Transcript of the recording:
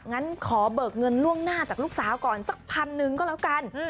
งั้นขอเบิกเงินล่วงหน้าจากลูกสาวก่อนสักพันหนึ่งก็แล้วกัน